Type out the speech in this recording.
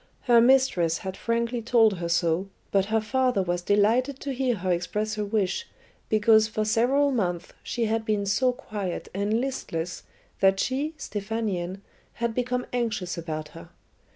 Her mistress had frankly told her so, but her father was delighted to hear her express a wish, because for several months she had been so quiet and listless that she, Stephanion, had become anxious about her.